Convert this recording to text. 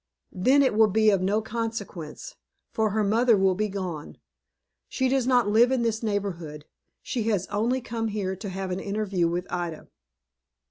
Then it will be of no consequence, for her mother will be gone. She does not live in this neighborhood; she has only come here to have an interview with Ida."